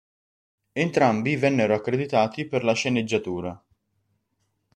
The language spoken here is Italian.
Entrambi vennero accreditati per la sceneggiatura.